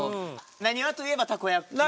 なにわといえばたこ焼きなんでね。